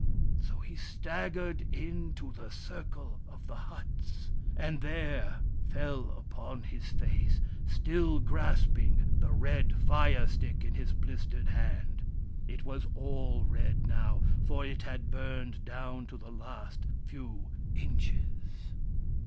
So he staggered in to the circle of the huts, and there fell upon his face, still grasp ing the red fire stick in his blistered hand. It was all red now, for it had burned down to the last few inches.